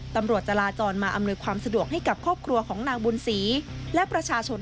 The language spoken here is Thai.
ตำรวจจราจรมาอำนวยความสะดวกให้กับครอบครัวของนางบุญศรีและประชาชน